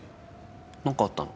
何かあったの？